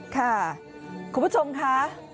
ค่ะคุณผู้ชมค่ะ